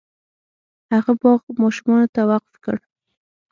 هغه باغ ماشومانو ته وقف کړ.